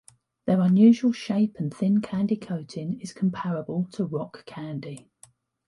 Their unusual shape and thin candy-coating is comparable to rock candy.